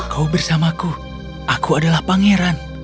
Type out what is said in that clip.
kau bersamaku aku adalah pangeran